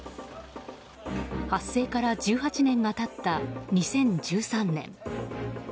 発生から１８年が経った２０１３年。